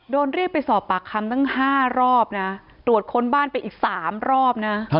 โดนเรียกไปสอบปากคำตั้ง๕รอบนะตรวจค้นบ้านไปอีก๓รอบนะ